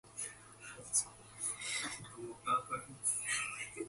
Her father is Honduran and her mother is American.